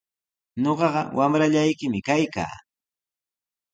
Ñuqaqa wamrallaykimi kaykaa.